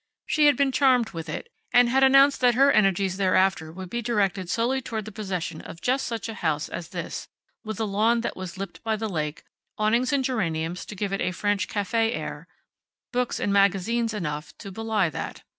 She had been charmed with it, and had announced that her energies thereafter would be directed solely toward the possession of just such a house as this, with a lawn that was lipped by the lake, awnings and geraniums to give it a French cafe air; books and magazines enough to belie that.